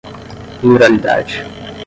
pluralidade